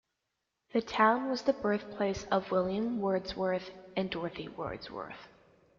The town was the birthplace of William Wordsworth and Dorothy Wordsworth.